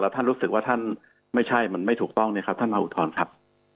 ท่านรู้สึกว่าท่านไม่ใช่มันไม่ถูกต้องเนี่ยครับท่านมาอุทธรณ์ครับ